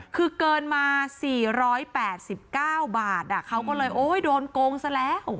คือเกินมา๔๘๙บาทเขาก็เลยโอ๊ยโดนโกงซะแล้ว